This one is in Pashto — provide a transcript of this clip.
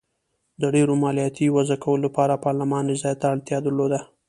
د ډېرو مالیاتو وضعه کولو لپاره پارلمان رضایت ته اړتیا درلوده.